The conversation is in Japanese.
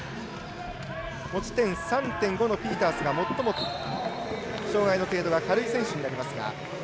持ち点３．５のピータースが最も障がいの程度が軽い選手になりますが。